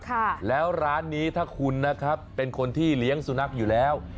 ค่ะแล้วร้านนี้ถ้าคุณนะครับเป็นคนที่เลี้ยงสุนัขอยู่แล้ว